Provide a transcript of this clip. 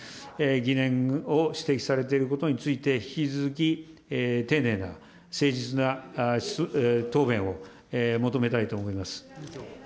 疑念を指摘されていることについて引き続き、丁寧な、誠実な答弁を求めたいと思います。